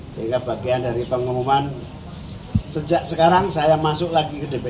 sehingga bagian dari pengumuman sejak sekarang saya masuk lagi ke dpr